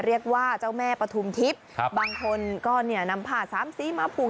เรียกว่าเจ้าแม่ปฐุมทิพย์บางคนก็เนี่ยนำผ้าสามสีมาผูก